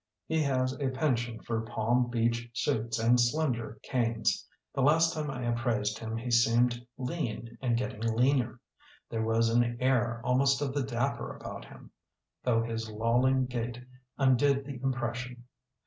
He has a penchant for palm beach suits and slender canes. The last time I appraised him he seemed lean and getting leaner. There was an air almost of the dapper about him* though his lolling gait undid the im pression.